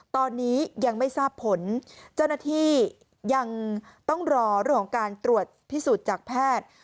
ตอนนี้ยังไม่ทราบผลเจ้าหน้าที่ยังต้องรอเรื่องของการตรวจพิสูจน์จากแพทย์